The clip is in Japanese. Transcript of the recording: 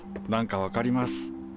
なんか分かります。